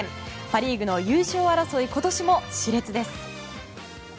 パ・リーグの優勝争い今年も熾烈です。